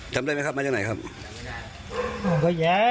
จำได้ไหมครับ